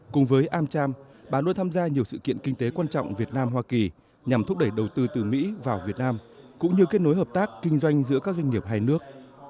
cùng với amcham bà luôn tham gia nhiều sự kiện kinh tế quan trọng việt nam hoa kỳ nhằm thúc đẩy đầu tư từ mỹ vào việt nam cũng như kết nối hợp tác kinh doanh giữa các doanh nghiệp hai nước